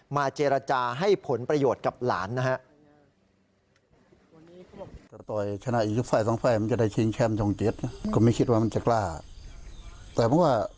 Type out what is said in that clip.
เจรจาให้ผลประโยชน์กับหลานนะครับ